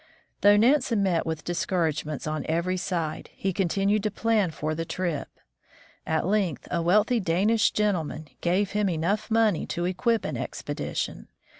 Though Nansen met with discouragements on every side, he continued to plan for the trip. At length a wealthy Danish gentleman gave him enough money to equip an expedition.